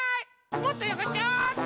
もっとよごしちゃおうっと！